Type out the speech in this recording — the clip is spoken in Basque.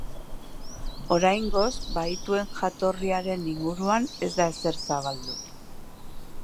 Oraingoz, bahituen jatorriaren inguruan ez da ezer zabaldu.